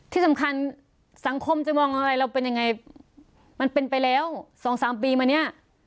ที่สำคัญสังคมจะมองอะไรเราเป็นยังไงมันเป็นไปแล้วสองสามปีมาเนี่ย